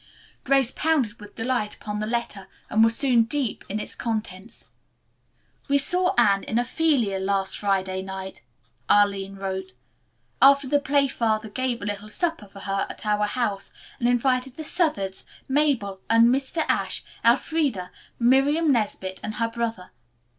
Grace pounced with delight upon the letter and was soon deep in its contents. "We saw Anne as 'Ophelia' last Friday night," Arline wrote. "After the play father gave a little supper for her at our house and invited the Southards, Mabel and Mr. Ashe, Elfreda, Miriam Nesbit and her brother.